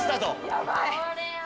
やばい。